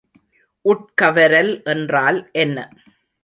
உட்கவரல் என்றால் என்ன?